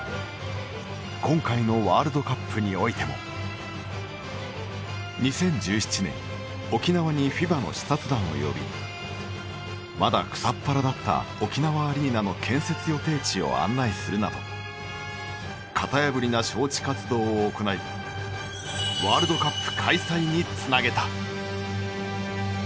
今回のワールドカップにおいても２０１７年、沖縄にＦＩＢＡの視察団を呼びまだ草っ原だった沖縄アリーナの建設予定地を案内するなど型破りな招致活動を行いワールドカップ開催につなげた。